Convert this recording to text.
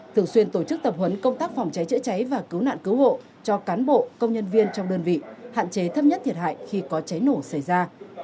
thường xuyên tổ chức tập huấn công tác phòng cháy chữa cháy và cứu nạn cứu hộ cho cán bộ công nhân viên trong đơn vị hạn chế thấp nhất thiệt hại khi có cháy nổ xảy ra